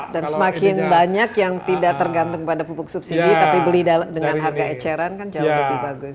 dan semakin banyak yang tidak tergantung pada pupuk subsidi tapi beli dengan harga eceran kan jauh lebih bagus